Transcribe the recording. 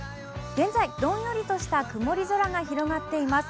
現在、どんよりとした曇り空が広がっています。